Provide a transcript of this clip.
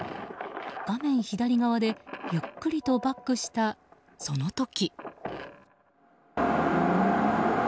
画面左側でゆっくりとバックした、その時。